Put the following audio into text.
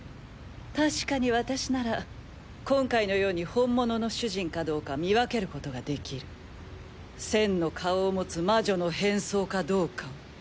確かに私なら今回のように本物の主人かどうか見分けることができる千の顔を持つ魔女の変装かどうかを。